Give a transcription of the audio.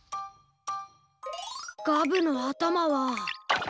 ガブのあたまは。